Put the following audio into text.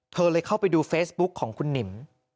เธอเลยเข้าไปดูเฟซบุ๊กของคุณหนิม